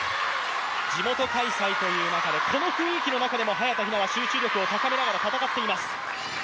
地元開催という中で、この雰囲気の中でも早田ひなは集中力を高めながら戦っています。